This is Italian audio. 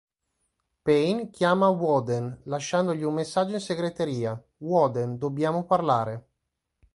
Payne chiama Woden, lasciandogli un messaggio in segretaria: "Woden, dobbiamo parlare.